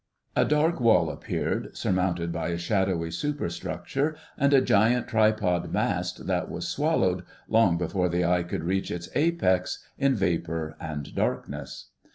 A dark wall appeared, surmounted by a shadowy superstructure and a giant tripod mast that was swallowed, long before the eye could reach its apex, in vapour and darkness.